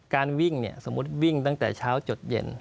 การวิ่งเนี่ยสมมุติวิ่งตั้งแต่เช้าจดเย็น